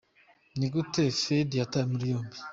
Ni gute Faïd yatawe muri yombi?.